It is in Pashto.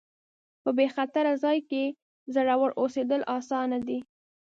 په بې خطره ځای کې زړور اوسېدل اسانه دي.